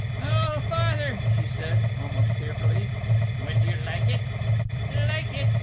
"Oh, Father!" she said, almost tearfully. "Would you like it?" "Like it!